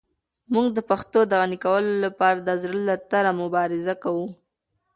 موږ د پښتو د غني کولو لپاره د زړه له تله مبارزه کوو.